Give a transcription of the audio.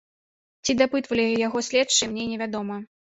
Ці дапытвалі яго следчыя, мне не вядома.